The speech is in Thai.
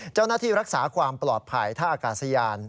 เจ้าหน้าที่รักษาความปลอดภัยท่าอากาศยาน